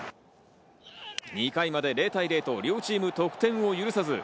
２回まで０対０と両チーム得点を許さず。